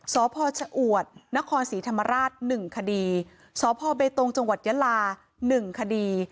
สพอนศศธรรมาราช๑คดีสพเบตงตรังยาลา๑คดี